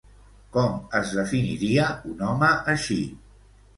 Com es definiria un home així?